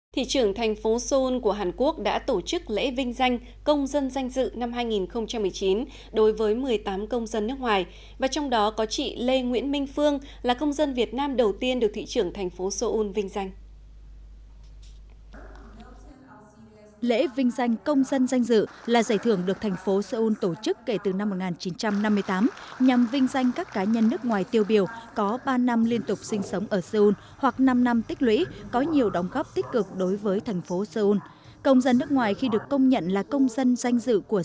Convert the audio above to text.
thị trưởng thành phố seoul của hàn quốc đã tổ chức lễ vinh danh công dân danh dự năm hai nghìn một mươi chín đối với một mươi tám công dân nước ngoài và trong đó có chị lê nguyễn minh phương là công dân việt nam đầu tiên được thị trưởng thành phố seoul vinh danh